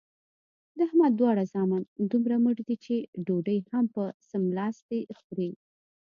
د احمد دواړه زامن دومره مټ دي چې ډوډۍ هم په څملاستې خوري.